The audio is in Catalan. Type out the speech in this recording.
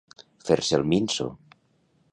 Fer-se el minso.